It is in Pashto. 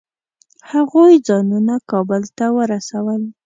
هغوی ځانونه کابل ته ورسول.